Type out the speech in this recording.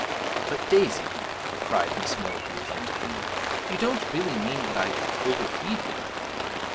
'But, Daisy,' cried Miss Millikin plaintively, 'you don't really mean that I overfeed him?'